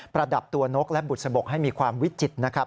ระดับตัวนกและบุษบกให้มีความวิจิตรนะครับ